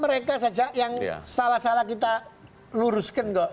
mereka saja yang salah salah kita luruskan kok